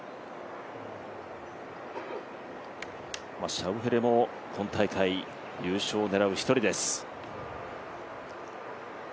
シャウフェレも今大会優勝を狙う１人です。